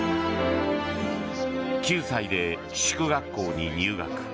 ９歳で寄宿学校に入学。